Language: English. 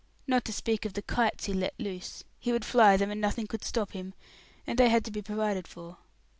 Not to speak of the kites he let loose; he would fly them, and nothing could stop him; and they had to be provided for."